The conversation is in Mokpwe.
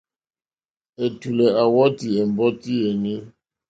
Ɛ̀tùlɛ̀ à wɔ́tɔ̀ ɛ̀mbɔ́tí yèní.